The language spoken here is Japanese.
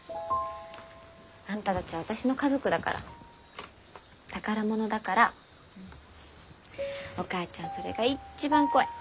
あんたたちは私の家族だから宝物だからお母ちゃんそれが一番怖い。